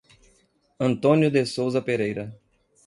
Antônio de Sousa Pereira